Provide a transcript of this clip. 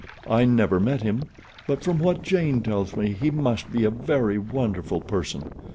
I never met him, but from what Jane tells me he must be a very wonderful person.